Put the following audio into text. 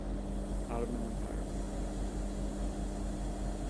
Ottoman Empire